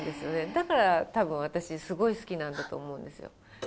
だからたぶん、私、すごい好きなんだと思うんですよ。